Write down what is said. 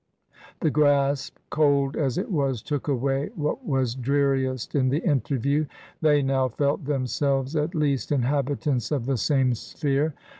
The grasp, cold as it was, took away what was dreariest in the interview. They now felt themselves, at least, inhabitants of the same sphere.